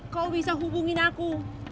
kau bisa hubungin aku